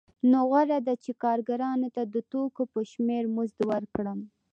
نو غوره ده چې کارګرانو ته د توکو په شمېر مزد ورکړم